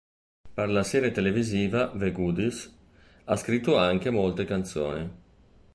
Per la serie televisiva "The Goodies" ha scritto anche molte canzoni.